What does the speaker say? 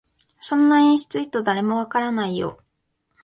そんな演出意図、誰もわからないよ